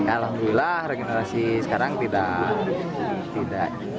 alhamdulillah generasi sekarang tidak